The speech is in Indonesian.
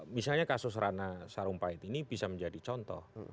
misalnya kasus rana sarumpait ini bisa menjadi contoh